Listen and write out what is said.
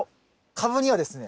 カブにはですね